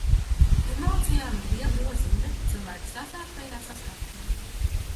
Emocijām ir liela nozīme cilvēku savstarpējā saskarsmē.